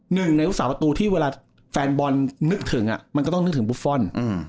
หนึ่งในลูกสาวประตูที่เวลาแฟนบอลนึกถึงมันก็ต้องนึกถึงบุฟฟอล